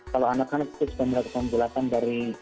kalau anak anak itu sudah melakukan bulatan dari